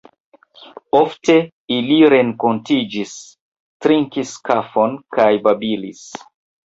Ofte ili renkontiĝis, trinkis kafon kaj babilis.